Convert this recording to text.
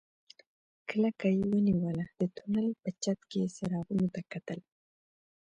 کلکه يې ونيوله د تونل په چت کې څراغونو ته کتل.